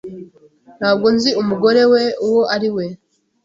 Ntabwo nzi umugore wa uwo ari we.